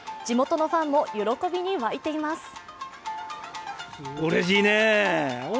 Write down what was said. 地元のファンも喜びに沸いています。